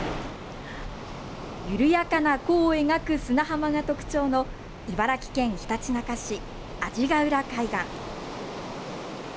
緩やかな弧を描く砂浜が特徴の茨城県ひたちなか市阿字ヶ浦海岸。